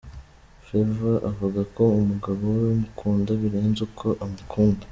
Favor avuga ko umugabo we amukunda birenze uko we amukunda.